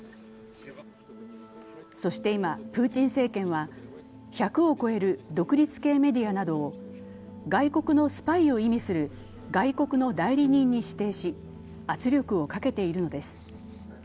そして今、プーチン政権は１００を超える独立系メディアなどを外国のスパイを意味する外国の代理人に指定し圧力をかけているのです。